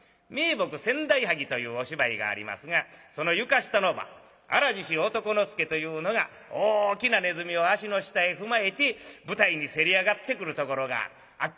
「伽羅先代萩」というお芝居がありますがその床下の番荒獅子男之助というのが大きなネズミを足の下へ踏まえて舞台にせり上がってくるところがある。